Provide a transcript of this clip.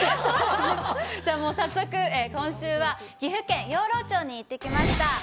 じゃあ早速、今週は岐阜県養老町に行ってきました。